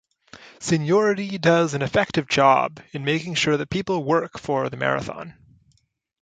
Seniority does an effective job in making sure that people work for the "marathon".